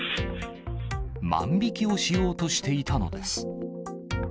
万引きをしようとしていたのです。